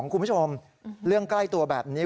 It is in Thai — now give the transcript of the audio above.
คุณผู้ชมเรื่องใกล้ตัวแบบนี้